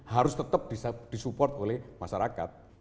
harus tetap disupport oleh masyarakat